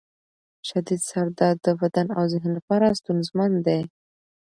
شدید سر درد د بدن او ذهن لپاره ستونزمن دی.